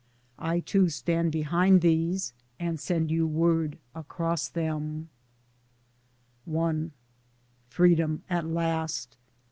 I too stand behind these and send you word across them. FREEDOM at last